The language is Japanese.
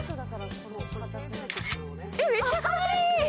めっちゃかわいい。